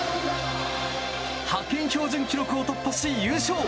派遣標準記録を突破し、優勝！